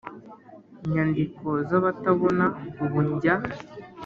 nyandiko z abatabona Ubu njya